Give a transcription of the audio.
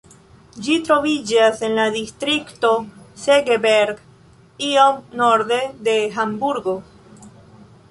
Ĝi troviĝas en la distrikto Segeberg, iom norde de Hamburgo.